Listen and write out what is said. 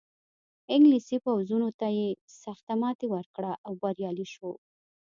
انګلیسي پوځونو ته یې سخته ماتې ورکړه او بریالی شو.